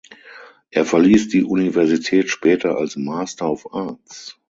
Er verließ die Universität später als Master of Arts.